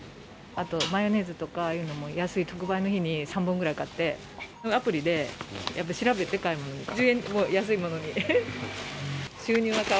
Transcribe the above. あとマヨネーズとかっていうのも安い特売の日に３本ぐらい買って、アプリでやっぱり調べて買い物に行く。